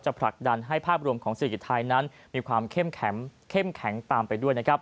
ผลักดันให้ภาพรวมของเศรษฐกิจไทยนั้นมีความเข้มแข็งเข้มแข็งตามไปด้วยนะครับ